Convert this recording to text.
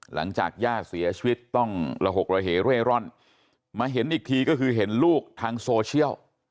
หลังจากย่าเสียชีวิตต้องระหกระเหเร่ร่อนมาเห็นอีกทีก็คือเห็นลูกทางโซเชียล